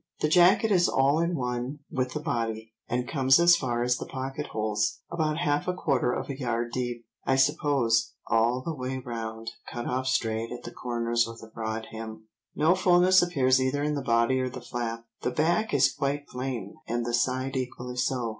The jacket is all in one with the body, and comes as far as the pocket holes—about half a quarter of a yard deep, I suppose, all the way round, cut off straight at the corners with a broad hem. No fulness appears either in the body or the flap, the back is quite plain—and the side equally so.